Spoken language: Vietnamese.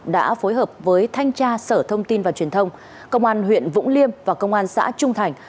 đã phối hợp với thanh tra sở thông tin và truyền thông công an huyện vũng liêm và công an xã trung thành